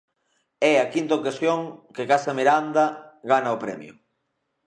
É a quinta ocasión que Casa Miranda gana o premio.